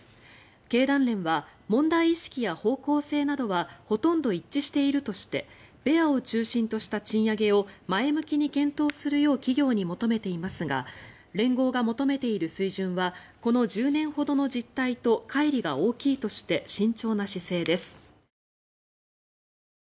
経団連は問題意識や方向性などはほとんど一致しているとしてベアを中心とした賃上げを前向きに検討するよう企業に求めていますが連合が求めている水準はこの１０年ほどの実態とかい離が大きいとして慎重な姿勢です。